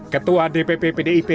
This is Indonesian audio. ketua dpp pdp